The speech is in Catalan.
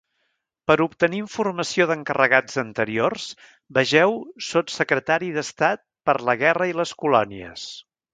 Per obtenir informació d'encarregats anteriors, vegeu Sotssecretari d'Estat per la Guerra i les Colònies.